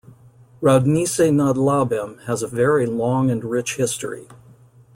Roudnice nad Labem has a very long and rich history.